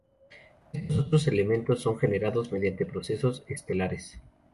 Estos otros elementos son generados mediante procesos estelares.